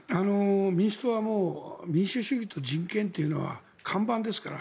民主党はもう民主主義と人権というのは看板ですから。